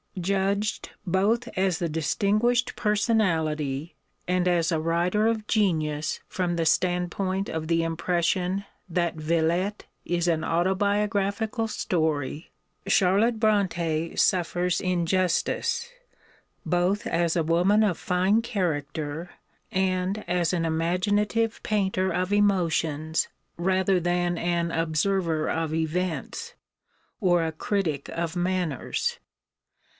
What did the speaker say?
Judged both as a distinguished personality and as a writer of genius from the standpoint of the impression that Villette is an autobiographical story, Charlotte Brontë suffers injustice, both as a woman of fine character, and as an imaginative painter of emotions rather than an observer of events, or a critic of manners.